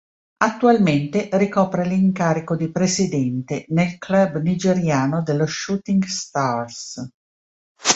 Attualmente ricopre l'incarico di presidente nel club nigeriano dello Shooting Stars.